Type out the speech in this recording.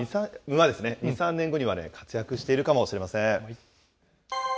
２、３年後には活躍しているかもしれません。